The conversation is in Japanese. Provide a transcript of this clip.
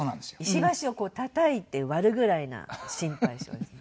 石橋をたたいて割るぐらいな心配性です。